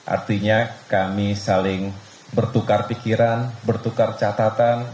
artinya kami saling bertukar pikiran bertukar catatan